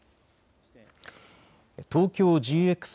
東京ＧＸ